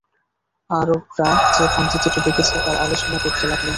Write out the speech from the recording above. আরবরা যে ভ্রান্তিতে ডুবে গেছে তার আলোচনা করতে লাগলেন।